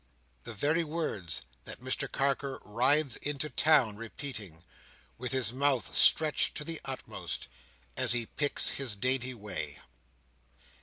The very words that Mr Carker rides into town repeating, with his mouth stretched to the utmost, as he picks his dainty way.